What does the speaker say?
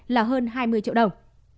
là hơn hai mươi triệu đồng